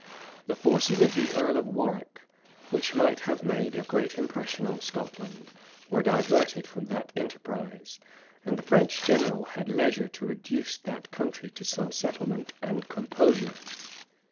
The forces of the earl of Warwick, which might have made a great impression on Scotland, were diverted from that enterprise; and the French general had leisure to reduce that country to some settlement and composure.